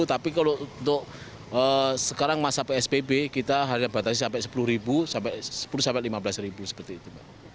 jadi kalau untuk sekarang masa psbb kita harga batasi sampai sepuluh lima belas ribu seperti itu